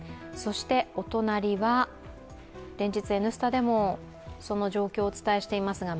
そして、連日「Ｎスタ」でもその状況をお伝えしています